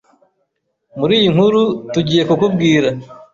Muri iyi nkuru tugiye kukubwira